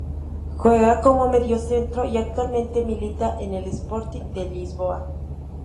Juega como mediocentro y actualmente milita en el Sporting de Lisboa.